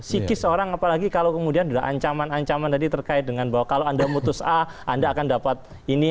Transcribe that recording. psikis orang apalagi kalau kemudian ada ancaman ancaman tadi terkait dengan bahwa kalau anda mutus a anda akan dapat ini